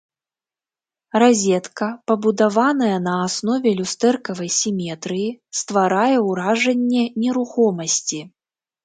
Разетка, пабудаваная на аснове люстэркавай сіметрыі, стварае ўражанне нерухомасці.